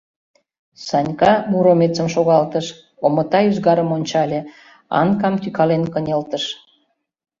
Санька Муромецым шогалтыш, омыта ӱзгарым ончале, Анкам тӱкален кынелтыш: